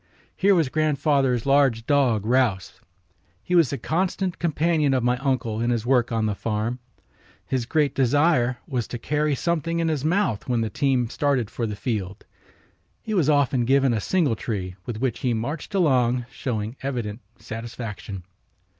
Here was grandfather's large dog Rouse. He was the constant companion of my uncle in his work on the farm. His great desire was to carry something in his mouth when the team started for the field. He was often given a singletree, with which he marched along, showing evident satisfaction.